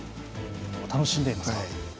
楽しんでいますか。